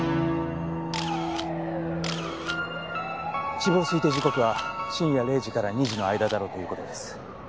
死亡推定時刻は深夜０時から２時の間だろうという事です。